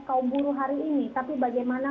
kaum buruh hari ini tapi bagaimana